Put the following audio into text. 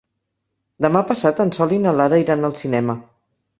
Demà passat en Sol i na Lara iran al cinema.